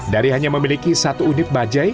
dari hanya memiliki satu unit bajai